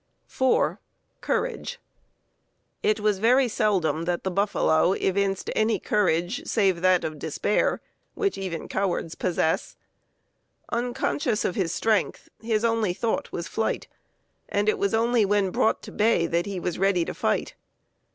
(4) Courage. It was very seldom that the buffalo evinced any courage save that of despair, which even cowards possess. Unconscious of his strength, his only thought was flight, and it was only when brought to bay that he was ready to fight.